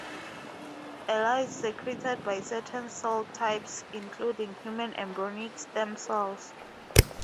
Ela is secreted by certain cell types including human embryonic stem cells.